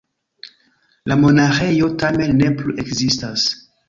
La monaĥejo tamen ne plu ekzistas.